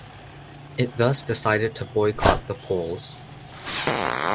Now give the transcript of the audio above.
It thus decided to boycott the polls.